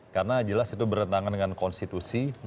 karena jelas itu berhentangan dengan konstitusi